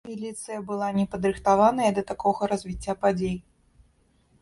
Міліцыя была непадрыхтаваная да такога развіцця падзей.